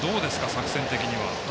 作戦的には。